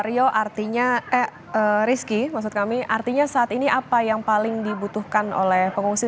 iya rizki artinya saat ini apa yang paling dibutuhkan oleh pengungsi